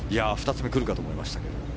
２つ目来るかと思いましたが。